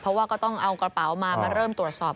เพราะว่าก็ต้องเอากระเป๋ามามาเริ่มตรวจสอบ